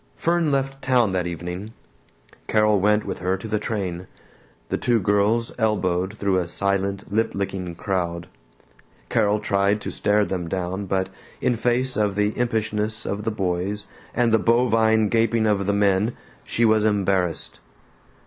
Fern left town that evening. Carol went with her to the train. The two girls elbowed through a silent lip licking crowd. Carol tried to stare them down but in face of the impishness of the boys and the bovine gaping of the men, she was embarrassed.